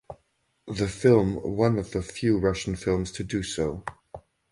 The film one of the few Russian films to do so.